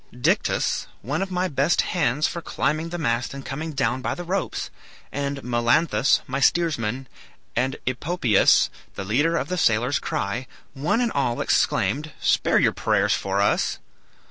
Dictys, one of my best hands for climbing the mast and coming down by the ropes, and Melanthus, my steersman, and Epopeus, the leader of the sailor's cry, one and all exclaimed, 'Spare your prayers for us.'